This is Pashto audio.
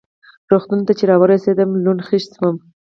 روغتون ته چې را ورسېدم لوند خېشت وم.